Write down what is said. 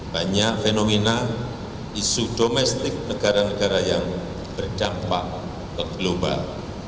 banyak fenomena isu domestik negara negara yang berdampak ke global